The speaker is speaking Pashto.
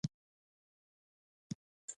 تک شین دی.